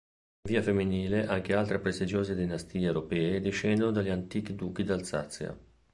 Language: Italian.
In via femminile anche altre prestigiose dinastie europee discendono dagli antichi duchi d'Alsazia.